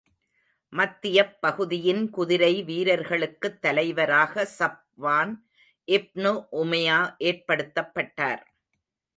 மத்தியப் பகுதியின் குதிரை வீரர்களுக்குத் தலைவராக ஸப்வான் இப்னு உமையா ஏற்படுத்தப் பட்டார்.